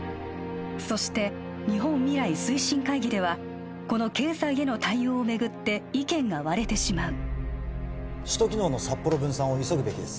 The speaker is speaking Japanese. そして日本未来推進会議ではこの経済への対応を巡って意見が割れてしまう首都機能の札幌分散を急ぐべきです